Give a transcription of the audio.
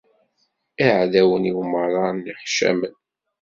Iɛdawen-iw merra nneḥcamen.